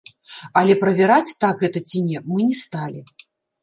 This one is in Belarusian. Але правяраць, так гэта ці не, мы не сталі.